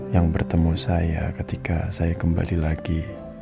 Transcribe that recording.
yang bertemu saya ketika saya kembali lagi